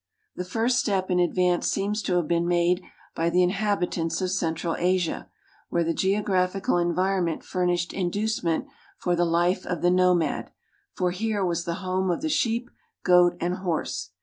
The first step in advance seems to have been made by the inhabitants of central Asia, where the geographical environment furnished induce ment for the life of the nomad, for here was the home of the sheep, goat, and horse.